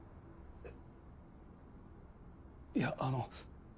えっいやあの。